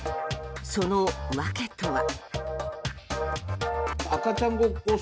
その訳とは。